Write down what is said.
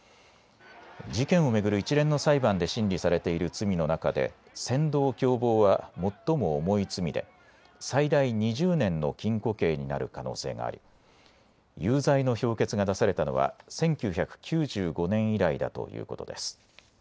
事件を巡る一連の裁判で審理されている罪の中で扇動共謀は最も重い罪で最大２０年の禁錮刑になる可能性があり有罪の評決が出されたのは１９９５年以来だということです。